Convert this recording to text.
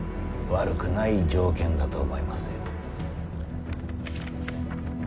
悪くない条件だと思いますよ。